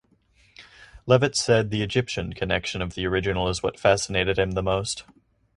Levitz said the Egyptian connection of the original is what fascinated him the most.